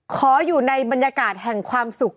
ขออยู่ในบรรยากาศแห่งความสุข